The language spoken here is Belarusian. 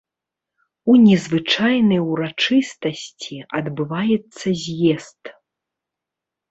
У незвычайнай урачыстасці адбываецца з'езд.